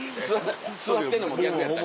座ってんのも逆やったし。